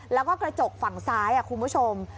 แล้วก็กระจกฝั่งซ้ายคุณผู้ชม